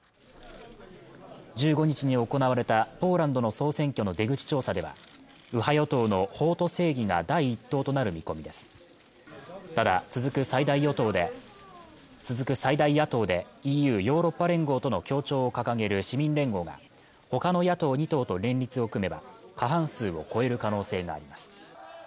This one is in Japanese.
１５日に行われたポーランドの総選挙の出口調査では右派与党の法と正義が第１党となる見込みですただ続く最大与党で続く最大野党でＥＵ＝ヨーロッパ連合との協調を掲げる市民連合がほかの野党２党と連立を組めば過半数を超える可能性があります